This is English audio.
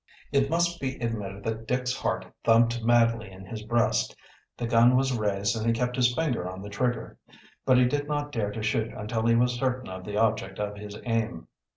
It must be admitted that Dick's heart thumped madly in his breast. The gun was raised and he kept his finger on the trigger. But he did not dare to shoot until he was certain of the object of his aim.